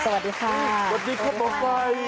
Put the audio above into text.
สวัสดีครับคุณหมอไก่